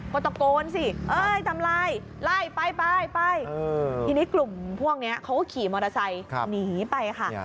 ก็ตะโกนสิเอ้ยทำลายไล่ไปไปทีนี้กลุ่มพวกนี้เขาก็ขี่มอเตอร์ไซค์หนีไปค่ะ